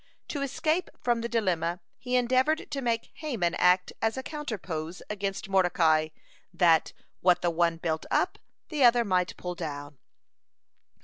To escape from the dilemma he endeavored to make Haman act as a counterpoise against Mordecai, that "what the one built up, the other might pull down."